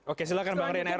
oke silahkan bang rian ernest